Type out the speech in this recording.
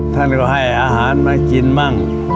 ท่านก็ให้อาหารมากินมั่ง